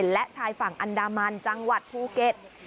และชายฝั่งอันดามันจังหวัดภูเก็ต